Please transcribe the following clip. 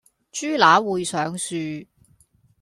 豬乸會上樹